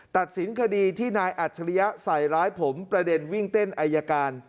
ตัดสินคดีที่นายอัจฉริยะใส่ร้ายผมประเด็นวิ่งเต้นอายการ